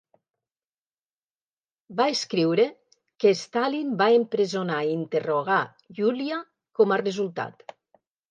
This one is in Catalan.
Va escriure que Stalin va empresonar i interrogar Yulia com a resultat.